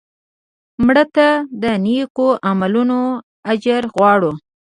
مړه ته د نیکو عملونو اجر غواړو